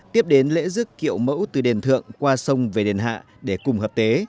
tiếp đến lễ rước kiệu mẫu từ đền thượng qua sông về đền hạ để cùng hợp tế